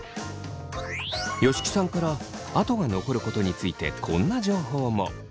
吉木さんから跡が残ることについてこんな情報も。